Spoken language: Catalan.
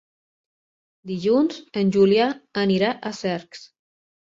Dilluns en Julià anirà a Cercs.